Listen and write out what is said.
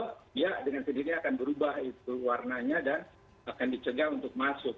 dia dengan sendirinya akan berubah itu warnanya dan akan dicegah untuk masuk